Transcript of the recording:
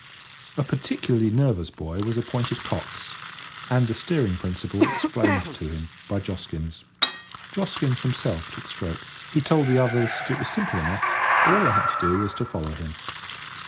A particularly nervous boy was appointed cox, and the steering principle explained to him by Joskins. Joskins himself took stroke. He told the others that it was simple enough; all they had to do was to follow him.